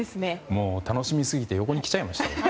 もう、楽しみすぎで横に来ちゃいました。